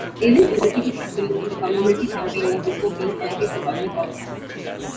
Evans was a political activist and community campaigner before being elected to public office.